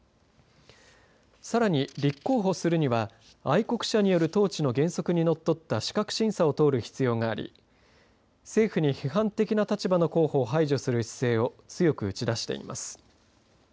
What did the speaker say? さらに、立候補するには愛国者による統治の原則にのっとった資格審査を通る必要があり政府に批判的な立場の候補を排除する姿勢を強く打ち出しています。